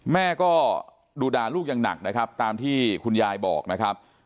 แม่ก็ดูด่าลูกอย่างหนักนะครับตามที่คุณยายบอกนะครับ